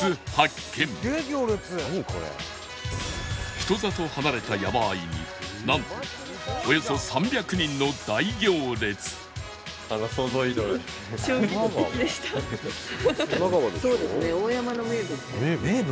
人里離れた山あいになんとおよそ３００人の大行列名物？